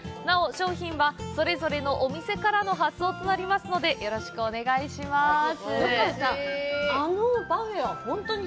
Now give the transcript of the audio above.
なお商品はそれぞれのお店からの発送となりますので、よろしくお願いします。